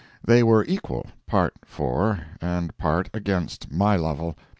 They were equal—part for, and part against my Lovel.